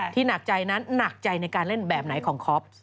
หนักใจนั้นหนักใจในการเล่นแบบไหนของคอฟ